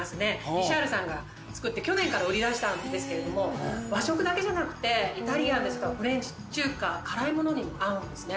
リシャールさんが造って去年から売りだしたんですけど和食だけじゃなくてイタリアンですとかフレンチ中華辛いものにも合うんですね。